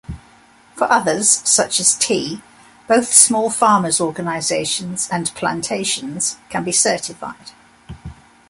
For others, such as tea, both small farmers' organizations and plantations can be certified.